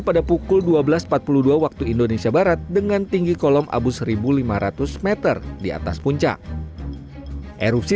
pada pukul dua belas empat puluh dua waktu indonesia barat dengan tinggi kolom abu seribu lima ratus m di atas puncak erupsi